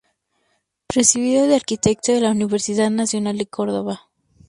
Recibido de arquitecto de la Universidad Nacional de Córdoba.